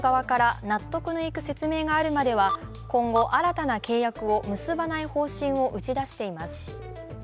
ジャニーズ事務所側から納得のいく説明があるまでは今後、新たな契約を結ばない方針を打ち出しています。